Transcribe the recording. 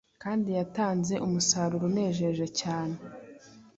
kandi ryatanze umusaruro unejeje cyane.